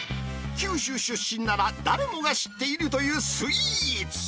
九州出身なら誰もが知っているというスイーツ。